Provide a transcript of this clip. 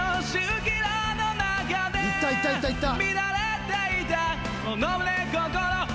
いったいったいったいった！